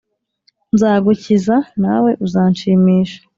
, Nzagukiza nawe uzanshimisha.